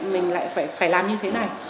mình lại phải làm như thế này